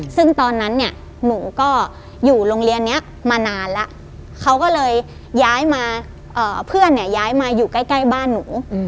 ซึ่งตอนนั้นหนูก็อยู่โรงเรียนนี้มานานแล้วเพื่อนย้ายมาอยู่ใกล้บ้านหนู